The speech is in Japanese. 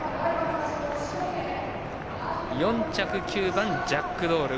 ４着、９番、ジャックドール。